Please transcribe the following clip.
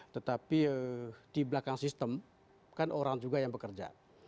tetapi di belakang sistem kan orang juga yang bekerja